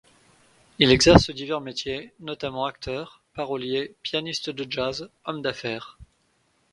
Il exerce divers métiers, notamment acteur, parolier, pianiste de jazz, homme d’affaires.